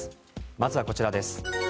まずはこちらです。